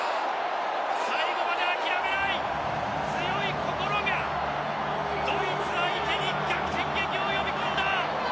最後まで諦めない強い心がドイツ相手に逆転劇を呼び込んだ！